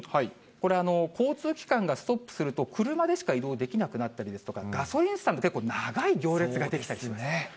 これ、交通機関がストップすると、車でしか移動できなくなったりですとか、ガソリンスタンドも結構長い行列が出来たりしますよね。